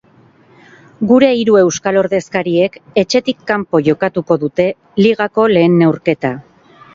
Gure hiru euskal ordezkariek etxetik kanpo jokatuko dute ligako lehen neurketa.